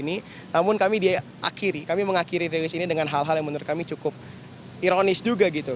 namun kami mengakhiri diri sini dengan hal hal yang menurut kami cukup ironis juga gitu